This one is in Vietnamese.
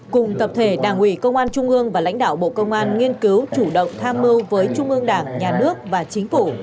cùng tập thể đảng ủy công an trung ương và lãnh đạo bộ công an nghiên cứu chủ động tham mưu với trung ương đảng nhà nước và chính phủ